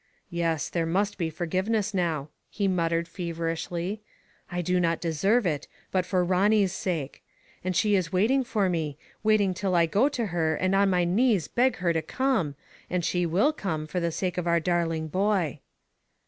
*'Yes, there must be forgiveness now," he mut tered feverishly ;" I do not deserve it, but for Ronny's sake. And she is waiting for me — wait ing till I go to her and on my knees beg her to come, and she will come, for the sake of our dar ling boy."